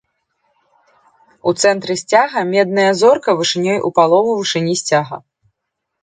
У цэнтры сцяга, медная зорка вышынёй у палову вышыні сцяга.